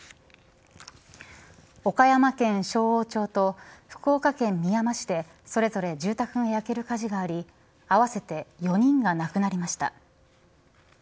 岡山県勝央町と福岡県みやま市でそれぞれ住宅が焼ける火事があり合わせて４人が亡くなりました。